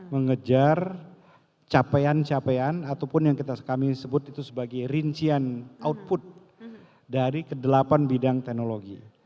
mengejar capaian capaian ataupun yang kami sebut itu sebagai rincian output dari kedelapan bidang teknologi